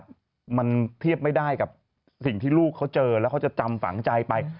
มันเทียบไม่ได้กับสิ่งที่ลูกเขาเจอแล้วเขาจะจำฝังใจไป